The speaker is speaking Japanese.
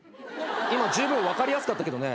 今じゅうぶん分かりやすかったけどね。